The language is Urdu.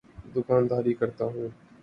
دوکانداری کرتا ہوں۔